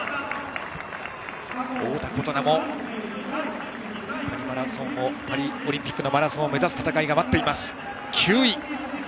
太田琴菜もパリオリンピックのマラソンを目指す目標が待っています。